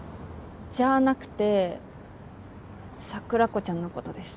じゃなくて桜子ちゃんのことです。